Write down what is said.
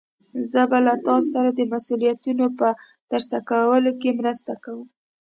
زه به له تا سره د مسؤليتونو په ترسره کولو کې مرسته کوم.